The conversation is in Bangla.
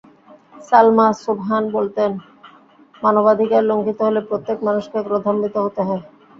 সালমা সোবহান বলতেন, মানবাধিকার লঙ্ঘিত হলে প্রত্যেক মানুষকে ক্রোধান্বিত হতে হবে।